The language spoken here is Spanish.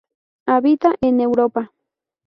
Habita en Europa.